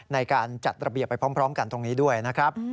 ในการจัดระเบียบไปพร้อมกันตรงนี้ด้วยนะครับ